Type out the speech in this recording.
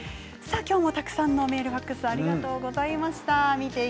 きょうもたくさんのメール、ファックスありがとうございました。